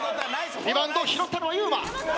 リバウンドを拾ったのはゆうま。